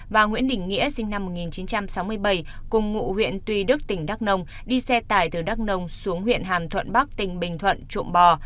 và nguyễn đình nghĩa sinh năm một nghìn chín trăm sáu mươi bảy cùng ngụ huyện tuy đức tỉnh đắk nông đi xe tải từ đắk nông xuống huyện hàm thuận bắc tỉnh bình thuận trộm bò